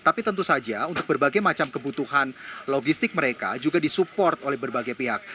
tapi tentu saja untuk berbagai macam kebutuhan logistik mereka juga disupport oleh berbagai pihak